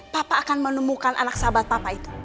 papa akan menemukan anak sahabat papa itu